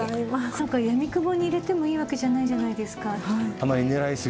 なんか闇雲に入れてもいいわけじゃないじゃないですか。